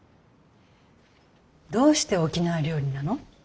どうして沖縄料理なの？